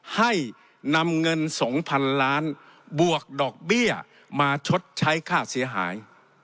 ให้นำเงิน๒๐๐๐ล้านบวกดอกเบี้ยมาชดใช้ค่าเสียหาย